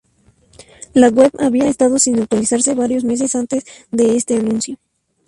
La web había estado sin actualizarse varios meses antes de este anuncio.